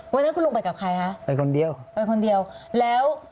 วันนี้คุณลุงไปกับใครคะไปคนเดียวไปคนเดียวแล้ว